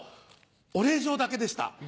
お礼状だけでした。